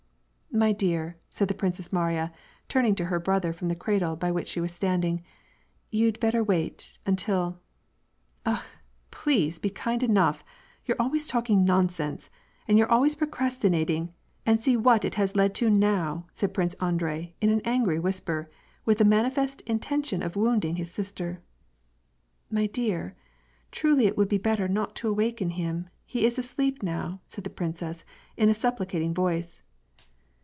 "My dear," said the Princess Mariya, turning to her brother from the cradle by which she was standing, " You'd better wait — until "—" Akh ! Please be kind enough — you're always talking nonsense, and you're always procrastinating; and see what it has led to now !" said Prince Andrei, in an angry whisper, with the manifest intention of wounding his sister. " My dear, truly it would be better not to awaken him ; he is asleep now," said the princess in a supplicating voice.